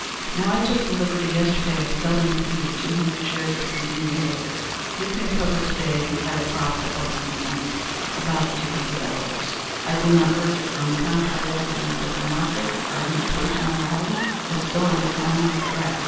Now I took the liberty yesterday of selling for you two hundred shares of Reading railroad. You can cover to day at a profit of one point about $200. I do not urge it. On the contrary I believe that the market, barring occasional rallies, is still on the downward track.